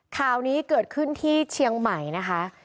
ข่าวนี้เกิดขึ้นที่เชียงใหม่นะคะ